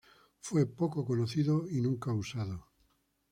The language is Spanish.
Fue poco conocido y nunca usado.